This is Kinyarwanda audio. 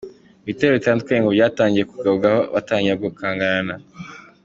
Ibitero bitandukanye ngo byatangiye kubagabwaho batangira gukangarana.